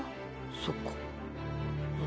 そっか。